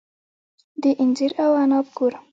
د انځر او عناب کور.